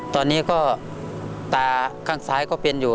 ตอนนี้ก็ตาข้างซ้ายก็เป็นอยู่